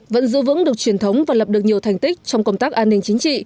vẫn giữ vững được truyền thống và lập được nhiều thành tích trong công tác an ninh chính trị